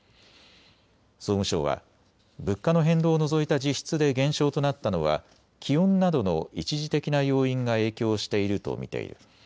総務省は物価の変動を除いた実質で減少となったのは気温などの一時的な要因が影響していると見ている。